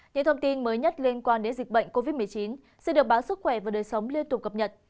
những thông tin mới nhất liên quan đến dịch bệnh covid một mươi chín sẽ được báo sức khỏe và đời sống liên tục cập nhật